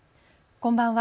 こんばんは。